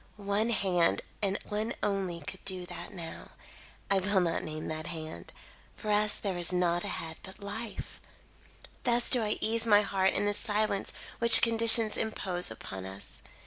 One hand, and one only, could do that now. I will not name that hand. For us there is nought ahead but life. "Thus do I ease my heart in the silence which conditions impose upon us.